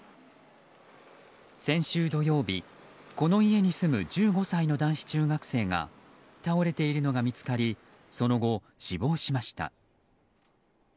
先週土曜日、この家に住む１５歳の男子中学生が倒れているのが見つかりその後、死亡しました。